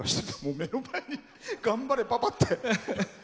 目の前に「頑張れ、パパ」って。